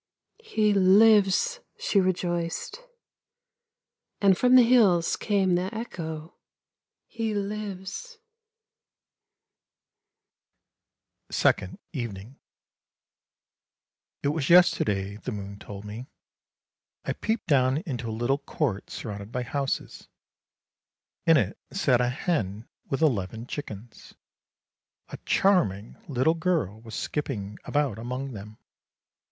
' He lives! ' she rejoiced, and from the hills came the echo, ' He lives! 232 ANDERSEN'S FAIRY TALES SECOND EVENING " It was yesterday," the moon told me, " I peeped down into a little court surrounded by houses; in it sat a hen with eleven chickens. A charming little girl was skipping about among them.